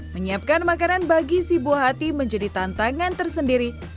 menyiapkan makanan bagi si buah hati menjadi tantangan tersendiri